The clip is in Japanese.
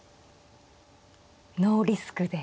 ノーリスクで。